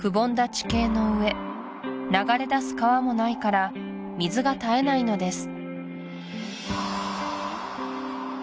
地形の上流れ出す川もないから水が絶えないのです